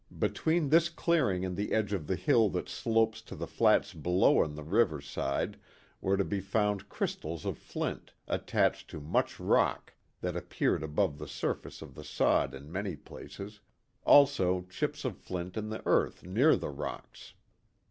Between this clearing and the edge of the hill that slopes to the flats below on the river side were to be found crystals of flint, attached to much rock, that appeared above the surface of the sod in many places, also chips of flint in the earth near the rocks.